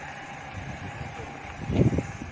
ถ้าไม่ได้ขออนุญาตมันคือจะมีโทษ